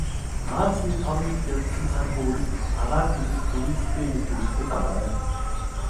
Аалзны тор мэт гялалзсан цан хүүрэг агаар тэнгэрт хэрээстэй мэт үзэгдэх авай.